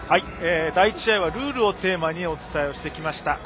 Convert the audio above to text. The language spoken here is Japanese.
第１試合はルールをテーマにお伝えしてきました。